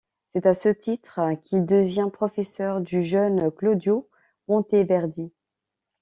C'est à ce titre qu'il devient professeur du jeune Claudio Monteverdi.